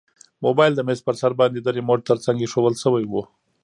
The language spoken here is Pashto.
موبایل د میز په سر باندې د ریموټ تر څنګ ایښودل شوی و.